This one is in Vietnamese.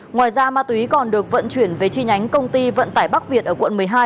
ngoài ra ma túy còn được vận chuyển về chi nhánh công ty vận tải bắc việt ở quận một mươi hai